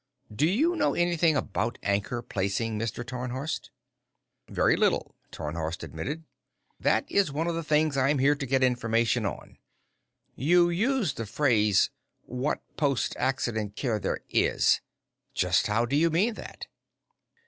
Do you know anything about anchor placing, Mr. Tarnhorst?" "Very little," Tarnhorst admitted. "That is one of the things I am here to get information on. You used the phrase 'what post accident care there is' just how do you mean that?"